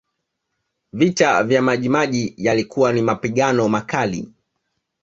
Vita vya Maji Maji yalikuwa ni mapigano makali